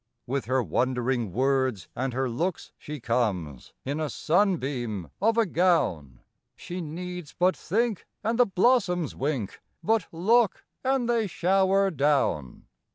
With her wondering words and her looks she comes, In a sunbeam of a gown; She needs but think and the blossoms wink, But look, and they shower down.